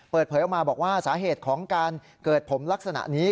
เปิดเผยออกมาบอกว่าสาเหตุของการเกิดผมลักษณะนี้